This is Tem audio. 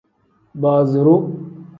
Booziru.